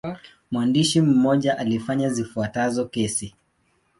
Mwandishi mmoja alifanya zifuatazo kesi.